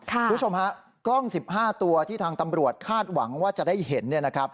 คุณผู้ชมฮะกล้อง๑๕ตัวที่ทางตำรวจคาดหวังว่าจะได้เห็น